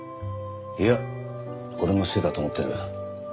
いや俺のせいだと思ってる。